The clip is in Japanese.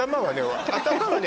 頭はね